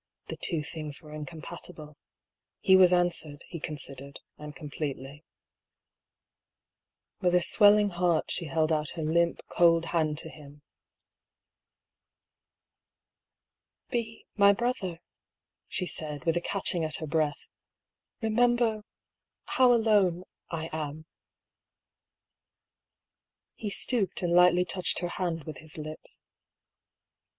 The two things were incom patible. He was answered, he considered, and com pletely.) With a swelling heart she held out her limp, cold hand to him. " Be my brother," she said, with a catching at her breath. " Remember — how alone — I am !" He stooped and lightly touched her hand with his lips.